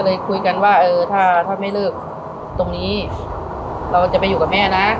เลยคุยกันว่าเออถ้าถ้าไม่เลิกตรงนี้เราจะไปอยู่กับแม่นะ